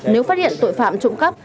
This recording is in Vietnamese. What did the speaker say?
nếu phát hiện tội phạm trộm cắt